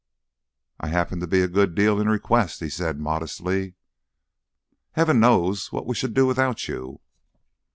"I happen to be a good deal in request," he said modestly. "Heaven knows what we should do without you."